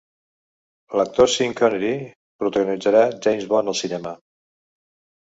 L'actor Sean Connery protagonitzà James Bond al cinema.